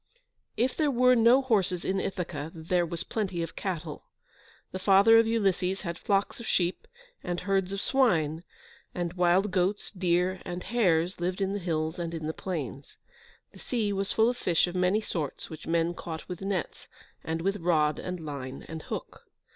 If there were no horses in Ithaca, there was plenty of cattle. The father of Ulysses had flocks of sheep, and herds of swine, and wild goats, deer, and hares lived in the hills and in the plains. The sea was full of fish of many sorts, which men caught with nets, and with rod and line and hook.